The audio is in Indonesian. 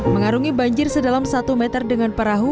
mengarungi banjir sedalam satu meter dengan perahu